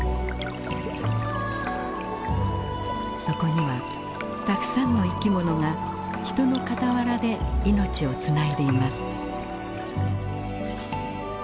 そこにはたくさんの生きものが人のかたわらで命をつないでいます。